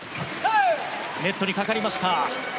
ネットにかかりました。